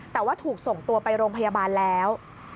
แต่ว่าถูกส่งตัวไปโรงพยาบาลแล้ว